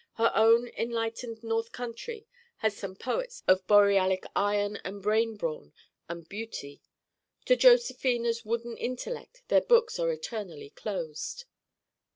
Her own enlightened north country has some poets of borealic iron and brain brawn and beauty: to Josephina's wooden intellect their books are eternally closed.